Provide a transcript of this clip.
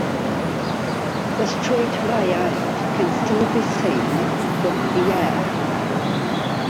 The street layout can still be seen from the air.